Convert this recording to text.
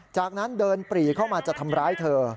จากนั้นเดินปรีเข้ามาจะทำร้ายเธอ